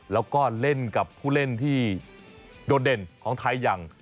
แล้วก็เล่นกับผู้เล่นที่โดดเด่นของไทยอย่าง